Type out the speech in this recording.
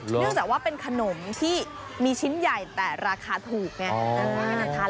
เนื่องจากว่าเป็นขนมที่มีชิ้นใหญ่แต่ราคาถูกไง